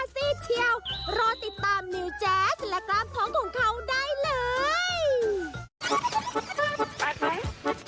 ซีดเชียวรอติดตามนิวแจ๊สและกล้ามท้องของเขาได้เลย